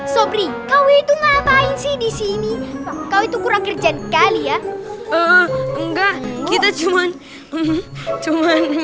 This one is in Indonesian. sobri kau itu ngapain sih di sini kau itu kurang kerjaan kali ya enggak kita cuman cuman